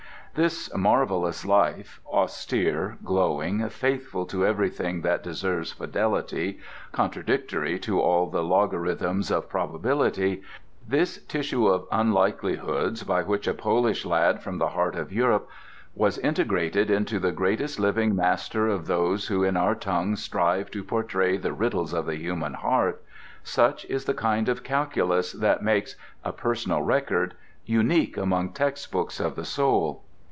This marvellous life, austere, glowing, faithful to everything that deserves fidelity, contradictory to all the logarithms of probability, this tissue of unlikelihoods by which a Polish lad from the heart of Europe was integrated into the greatest living master of those who in our tongue strive to portray the riddles of the human heart—such is the kind of calculus that makes "A Personal Record" unique among textbooks of the soul.